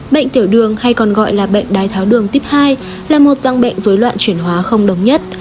bệnh tiểu đường hay còn gọi là bệnh đái tháo đường tuyếp hai là một răng bệnh dối loạn chuyển hóa không đồng nhất